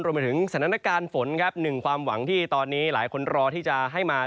มาถึงสถานการณ์ฝนครับหนึ่งความหวังที่ตอนนี้หลายคนรอที่จะให้มา